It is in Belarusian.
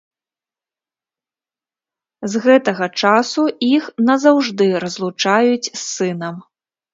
З гэтага часу іх назаўжды разлучаюць з сынам.